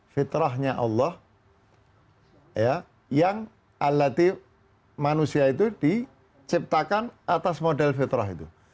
fitrahnya allah yang alatif manusia itu diciptakan atas model fitrah itu